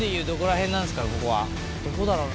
どこだろう？